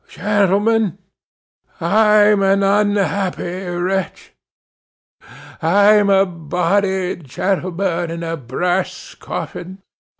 Gentlemen, I'm an unhappy wretch. I'm a body, gentlemen, in a brass coffin.